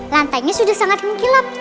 lantainya sudah sangat mengkilap